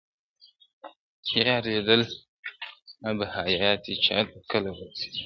یار لیدل آب حیات دي چاته کله ور رسیږي-